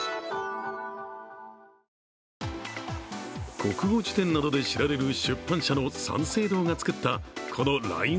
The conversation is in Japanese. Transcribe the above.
国語辞典などで知られる出版社の三省堂が作ったこのＬＩＮＥ